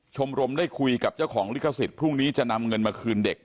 ชมรมได้คุยกับเจ้าของลิขสิทธิ์พรุ่งนี้จะนำเงินมาคืนเด็ก